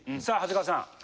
さあ長谷川さん！